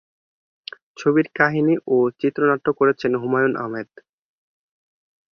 ছবির কাহিনি ও চিত্রনাট্য করেছেন হুমায়ূন আহমেদ।